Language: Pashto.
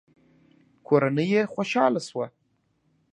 کورنۍ يې خوشاله شوه.